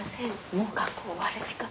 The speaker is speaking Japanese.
もう学校終わる時間。